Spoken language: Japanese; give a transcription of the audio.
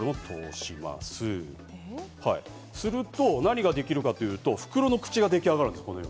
すると何ができるかと言うと、袋の口ができ上がります。